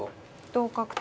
同角と。